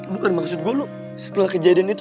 lu kan maksud gue lu setelah kejadian itu